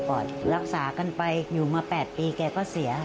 รักษากันไปอยู่มา๘ปีแกก็เสีย